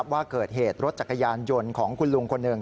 ว่าเกิดเหตุรถจักรยานยนต์ของคุณลุงคนหนึ่ง